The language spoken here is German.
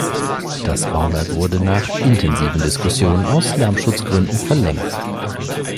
Das Bauwerk wurde nach intensiven Diskussionen aus Lärmschutzgründen verlängert.